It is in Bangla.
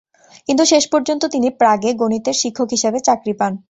কিন্তু শেষ পর্যন্ত তিনি প্রাগে গণিতের শিক্ষক হিসেবে চাকরি পান।